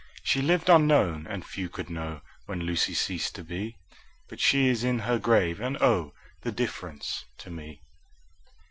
She lived unknown, and few could know When Lucy ceased to be; 10 But she is in her grave, and, oh, The difference to me!